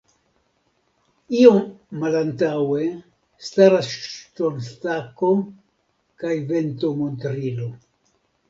Iom malantaŭe staras ŝtonstako kaj ventomontrilo.